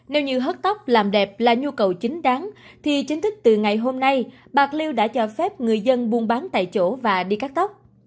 nếu như hớt tóc làm đẹp là nhu cầu chính đáng thì chính thức từ ngày hôm nay bạc liêu đã cho phép người dân buôn bán tại chỗ và đi cắt tóc